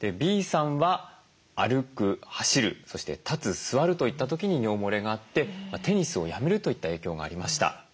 Ｂさんは歩く走るそして立つ座るといった時に尿もれがあってテニスをやめるといった影響がありました。